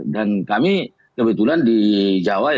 dan kami kebetulan di jawa